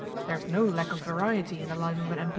' There is no lack of variety in the life of an M.P.'